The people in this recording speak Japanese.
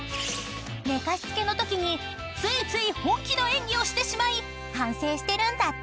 ［寝かしつけのときについつい本気の演技をしてしまい反省してるんだって］